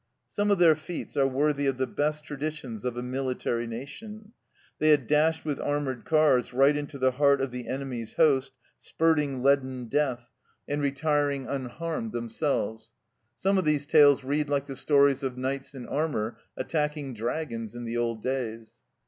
Some of their feats are worthy of the best traditions of a military nation. They had dashed with armoured cars right into the heart of the enemy's host, spurting leaden death, and retir 96 THE CELLAR HOUSE OF PERVYSE ing unharmed themselves ; some of these tales read like the stories of knights in armour attacking dragons in the old days.